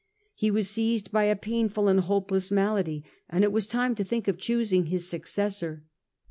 He was seized by a painful and hopeless malady, and it was time to think of choosing his successor.